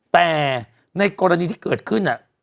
แต่ในกรณีที่เกิดขึ้น